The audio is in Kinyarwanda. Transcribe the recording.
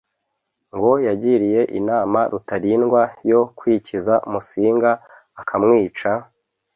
ngo yagiriye inama Rutalindwa yo kwikiza Musinga akamwica,